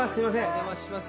お邪魔します。